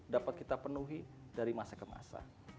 dapat kita penuhi dari masa ke masa